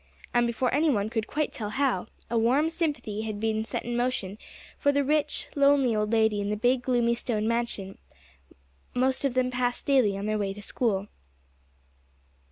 and, before any one could quite tell how, a warm sympathy had been set in motion for the rich, lonely old lady in the big, gloomy stone mansion most of them passed daily on their way to school.